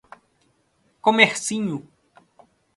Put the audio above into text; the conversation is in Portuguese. Comercinho